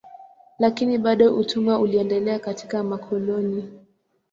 Lakini bado utumwa uliendelea katika makoloni.